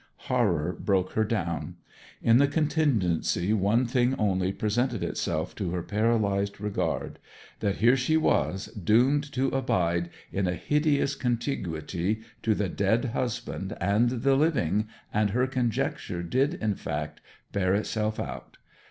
Horror broke her down. In the contingency one thing only presented itself to her paralyzed regard that here she was doomed to abide, in a hideous contiguity to the dead husband and the living, and her conjecture did, in fact, bear itself out.